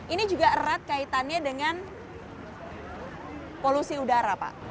ini juga erat kaitannya dengan polusi udara pak